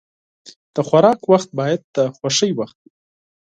د خوراک وخت باید د خوښۍ وخت وي.